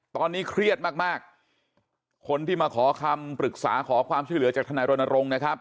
ตอนนี้เครียดมากมากคนที่มาขอคำปรึกษาขอความช่วยเหลือจากทนายรณรงค์นะครับ